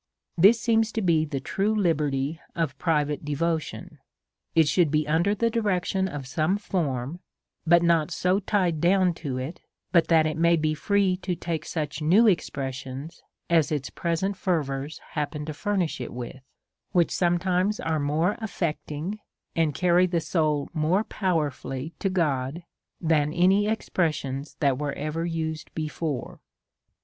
This seems to be the true liberty of private devo tion ; it should be under the direction of some form ; 17^ A SERIOUS CALL TO A but not so tied down to it^ but that it may be free to take such new expressions as its present fervours hap pen to furnish it with ; which sometimes are more af fecting, and carry the soul more powerfully to God, than any expressions that were ever used before.